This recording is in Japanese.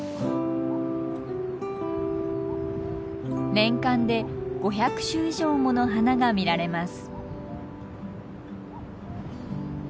年間で５００種以上もの花が見られます。